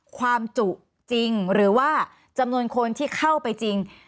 ความจุจริงหรือว่าจำนวนคนที่เข้าไปจริง